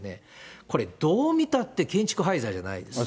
これ、どう見たって建築廃材じゃないですか。